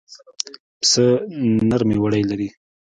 پسه نرمې وړۍ لري.